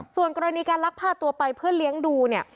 ส่วนกรณีการลักพาตัวไปเพื่อเลี้ยงดูเนี่ย